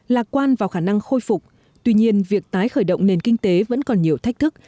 lạc quan vào khả năng khôi phục tuy nhiên việc tái khởi động nền kinh tế vẫn còn nhiều thách thức